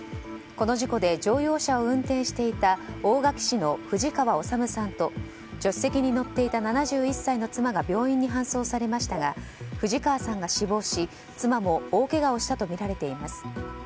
この事故で乗用車を運転していた大垣市の藤川治さんと助手席に乗っていた７１歳の妻が病院に搬送されましたが藤川さんが死亡し妻も大けがをしたとみられています。